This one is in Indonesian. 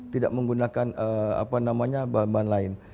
tidak menggunakan apa namanya bahan bahan lain